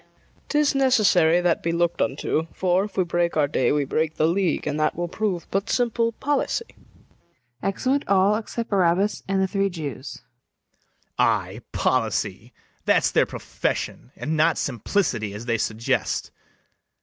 'Tis necessary that be look'd unto; For, if we break our day, we break the league, And that will prove but simple policy. [Exeunt all except BARABAS and the three JEWS.] BARABAS. Ay, policy! that's their profession, And not simplicity, as they suggest.